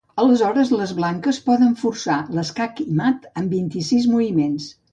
Aleshores les blanques poden forçar l'escac i mat en vint-i-sis moviments.